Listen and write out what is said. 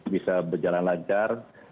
bisa berjalan lancar